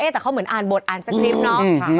แต่เขาเหมือนอ่านบทอ่านสคริปต์เนาะ